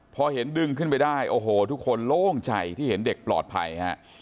พอเห็นดึงขึ้นไปได้โอ้โหทุกคนโล่งใจที่เห็นเด็กปลอดภัยฮะ